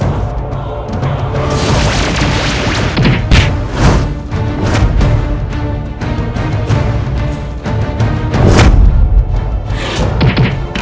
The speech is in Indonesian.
ini kasar menurut saya